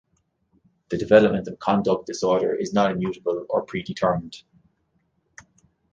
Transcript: The development of conduct disorder is not immutable or predetermined.